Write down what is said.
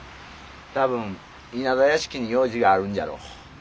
多分稲田屋敷に用事があるんじゃろう。